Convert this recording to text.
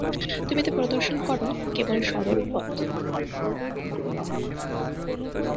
তুমি তো প্রদর্শন কর কেবল সরল পথ।